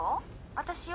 私よ。